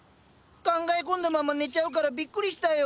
考え込んだまま寝ちゃうからビックリしたよ。